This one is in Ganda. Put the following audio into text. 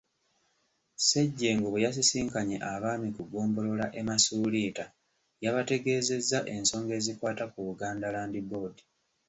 Ssejjengo bwe yasisinkanye Abaami ku ggombolola e Masuuliita, yabategeezezza ensonga ezikwata ku Buganga Land Board.